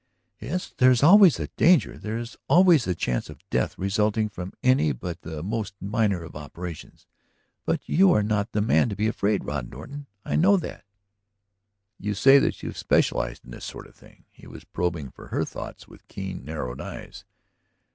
"Yes. There is always the danger, there is always the chance of death resulting from any but the most minor of operations. But you are not the man to be afraid, Rod Norton. I know that." "You say that you have specialized In this sort of thing." He was probing for her thoughts with keen, narrowed eyes.